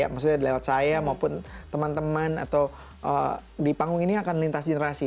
maksudnya lewat saya maupun teman teman atau di panggung ini akan lintas generasi